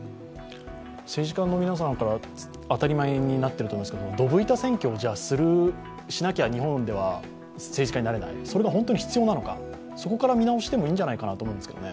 政治家の皆さんから当たり前になっていると思うんですけどどぶ板選挙をしなきゃ日本では政治家になれないそれが本当に必要なのか、そこから見直してもいいんじゃないかと思いますが。